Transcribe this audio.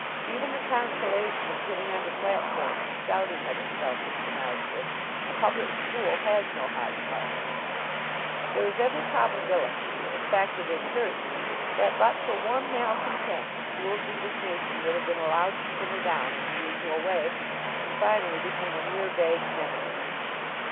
Even the consolation of getting on to platforms and shouting at itself is denied to it. A public school has no Hyde Park. There is every probability in fact, it is certain that, but for one malcontent, the school's indignation would have been allowed to simmer down in the usual way, and finally become a mere vague memory.